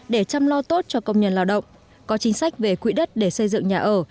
để chăm lo tốt cho công nhân lao động có chính sách về quỹ đất để xây dựng nhà ở